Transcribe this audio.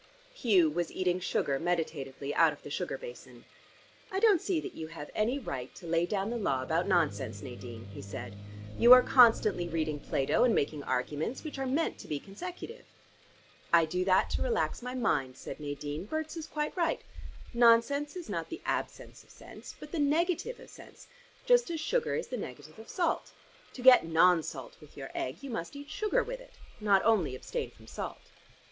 Hugh was eating sugar meditatively out of the sugar basin. "I don't see that you have any right to lay down the law about nonsense, Nadine," he said. "You are constantly reading Plato, and making arguments, which are meant to be consecutive." "I do that to relax my mind," said Nadine. "Berts is quite right. Nonsense is not the absence of sense, but the negative of sense, just as sugar is the negative of salt. To get non salt with your egg, you must eat sugar with it, not only abstain from salt."